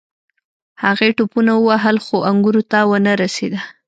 هغې ټوپونه ووهل خو انګورو ته ونه رسیده.